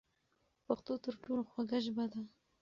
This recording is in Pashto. پښتو تر ټولو خوږه ژبه ده.